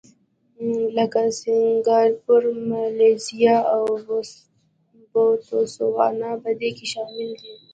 لکه سینګاپور، مالیزیا او بوتسوانا په دې کې شامل دي.